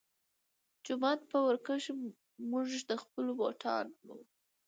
جومات پۀ ورۀ کښې مونږ د خپلو بوټانو